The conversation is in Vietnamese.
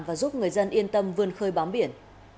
và giúp người dân yên tâm vươn khơi bám biển